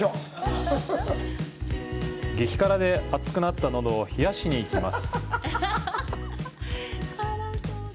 激辛で熱くなったのどを冷やしに行きます。